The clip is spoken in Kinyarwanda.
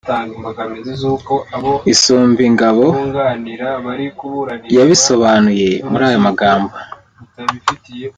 Isumbingabo yabisobanuye muri aya magambo